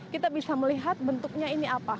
kita bisa melihat bentuknya ini apa